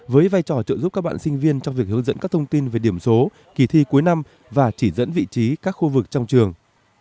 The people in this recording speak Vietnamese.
với vai trò trợ giúp các bạn sinh viên trong việc hướng dẫn các thông tin về điểm số kỳ thi cuối năm và chỉ dẫn vị trí các khu vực trong trường